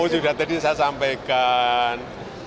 sudah tadi saya sampaikan